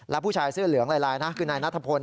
แล้วผู้ชายเสื้อเหลืองลายนะคือนายนัทพล